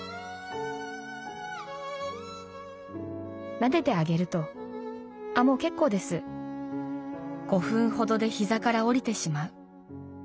撫でてあげると『あ。もう結構です』５分ほどで膝から下りてしまう。